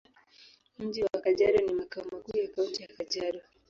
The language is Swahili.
Mji wa Kajiado ni makao makuu ya Kaunti ya Kajiado.